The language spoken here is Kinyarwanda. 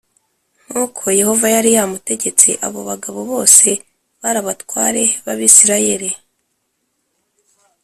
nkuko Yehova yari yamutegetse Abo bagabo bose bari abatware b Abisirayeli